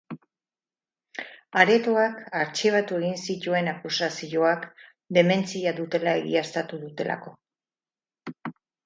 Aretoak artxibatu egin zituen akusazioak, dementzia dutela egiaztatu dutelako.